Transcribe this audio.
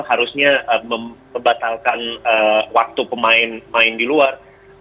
harusnya membatalkan waktu pemain main di luar